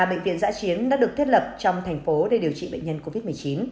ba bệnh viện giã chiến đã được thiết lập trong thành phố để điều trị bệnh nhân covid một mươi chín